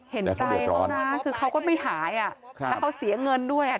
เห็นใจเขานะคือเขาก็ไม่หายอ่ะแล้วเขาเสียเงินด้วยอ่ะ